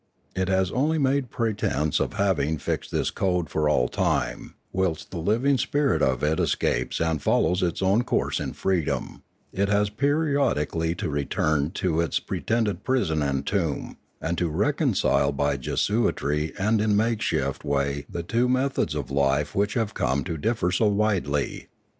It has only made pretence of having fixed this code for all time, whilst the living spirit of it escapes and follows 610 Limanora its own course in freedom; it has periodically to return to its pretended prison and tomb, and to reconcile by Jesuitry and in makeshift way the two methods of life which have come to differ so widely.